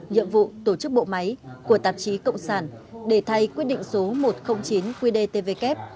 nhiệm vụ tổ chức bộ máy của tạp chí cộng sản để thay quyết định số một trăm linh chín qd tv kép